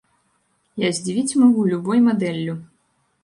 Я здзівіць магу любой мадэллю.